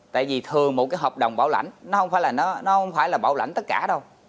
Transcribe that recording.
tại vì thường một cái hợp đồng bảo lãnh nó không phải là nó không phải là bảo lãnh tất cả đâu